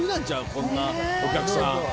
こんなお客さん。